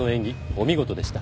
お見事でした。